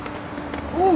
おう。